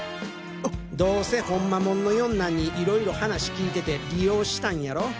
どせホンマ者の四男にいろいろ話聞いてて利用したんやろ？